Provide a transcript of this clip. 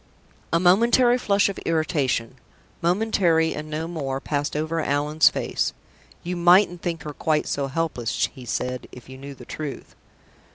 A momentary flush of irritation momentary, and no more passed over Allan's face. "You mightn't think her quite so helpless," he said, "if you knew the truth."